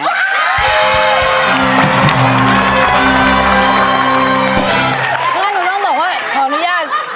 เพราะฉะนั้นหนูต้องบอกว่าขออนุญาต